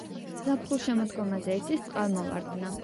ზაფხულ-შემოდგომაზე იცის წყალმოვარდნა.